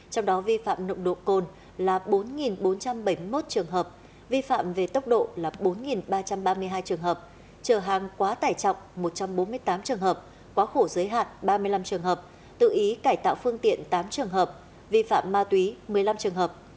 trong đó vi phạm nộng độ côn là bốn bốn trăm bảy mươi một trường hợp vi phạm về tốc độ là bốn ba trăm ba mươi hai trường hợp trở hàng quá tải trọng một trăm bốn mươi tám trường hợp quá khổ giới hạn ba mươi năm trường hợp tự ý cải tạo phương tiện tám trường hợp vi phạm ma túy một mươi năm trường hợp